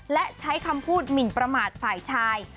และใช้คำพูดหมินประมาทฝ่ายชาย